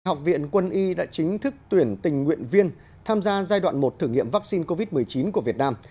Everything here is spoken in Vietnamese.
học viện quân y đã chính thức tuyển tình nguyện viên tham gia giai đoạn một thử nghiệm vaccine covid một mươi chín của việt nam